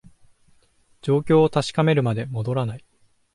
状況を確かめるまで戻らない